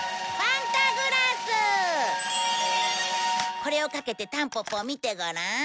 これをかけてタンポポを見てごらん。